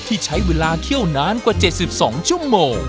ที่ใช้เวลาเคี่ยวนานกว่า๗๒ชั่วโมง